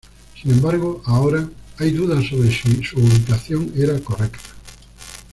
Sin embargo, ahora hay dudas sobre si su ubicación era correcta.